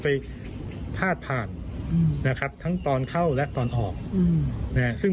ไปพาดผ่านอืมนะครับทั้งตอนเข้าและตอนออกอืมน่ะซึ่ง